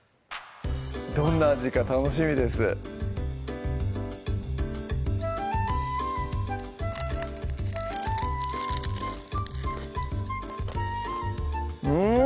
どんな味か楽しみですうん！